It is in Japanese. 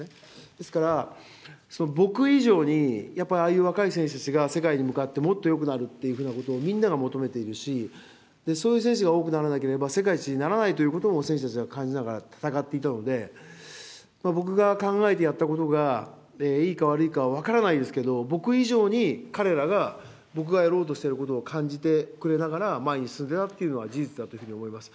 ですから、僕以上にやっぱりああいう若い選手たちが世界に向かってもっとよくなるっていうふうなことをみんなが求めているし、そういう選手が多くならなければ、世界一にならないということも選手たちは感じながら戦っていたので、僕が考えてやったことが、いいか、悪いかは分からないですけど、僕以上に彼らが僕がやろうとしていることを感じてくれながら、前に進んでたというのは事実だと思います。